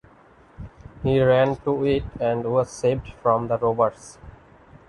He ran to it and was saved from the robbers.